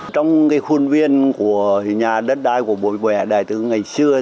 trong cái khuôn viên của nhà đất đai của bố mẹ đại tướng ngày xưa